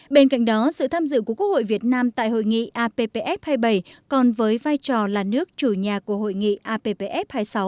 bên cạnh đó sự tham dự của quốc hội việt nam tại hội nghị appf hai mươi bảy còn với vai trò là nước chủ nhà của hội nghị appf hai mươi sáu